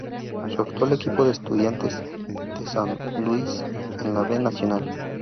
Su actual equipo es Estudiantes de San Luis en la B Nacional.